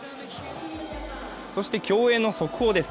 そして競泳の速報です。